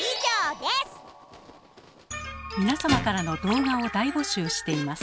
皆様からの動画を大募集しています。